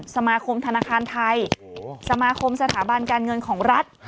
สมาคมธนาคารไทยสมาคมสถาบันการเงินของรัฐ